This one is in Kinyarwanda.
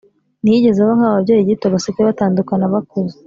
ntiyigeze aba nka ba babyeyi gito basigaye batandukana bakuze,